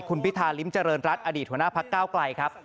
คุณพิธาริมเจริญรัฐอดีตหัวหน้าพักเก้าไกลครับ